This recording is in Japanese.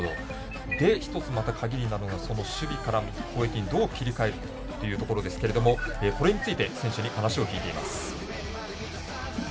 一つ鍵になるのは守備からの攻撃にどう切り替えるかというところですけれどこれについて選手に話を聞いています。